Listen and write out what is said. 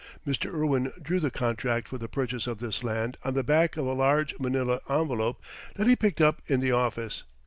Mr. Irwin drew the contract for the purchase of this land on the back of a large manila envelope that he picked up in the office.